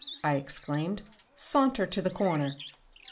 I exclaimed; "saunter to the corner."